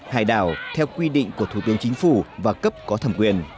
hải đảo theo quy định của thủ tướng chính phủ và cấp có thẩm quyền